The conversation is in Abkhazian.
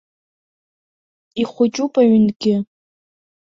Ихәыҷуп аҩынгьы.